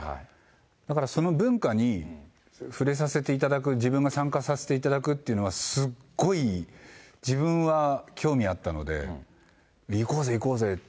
だから、その文化に触れさせていただく、自分が参加させていただくっていうのは、すごい自分は興味あったので、行こうぜ、行こうぜって。